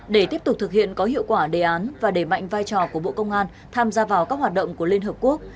để tiếp tục thực hiện có hiệu quả đề án và đẩy mạnh vai trò của bộ công an tham gia vào các hoạt động của liên hợp quốc